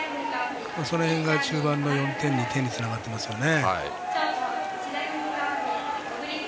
その辺が中盤の１点、２点につながってますよね。